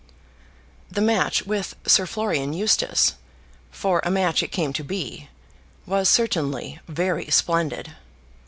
The match with Sir Florian Eustace, for a match it came to be, was certainly very splendid.